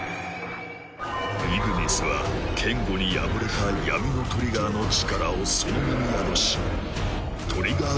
イグニスはケンゴに敗れた闇のトリガーの力をその身に宿しトリガー